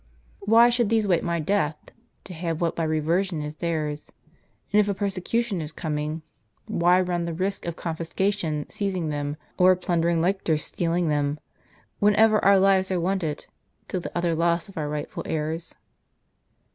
Why should these wait my death, to have what by reversion is theirs? And if a persecution is coming, why run the risk w of confiscation seizing them, or of plundering lictors stealing them, whenever our lives are wanted, to the utter loss of our rightful heirs?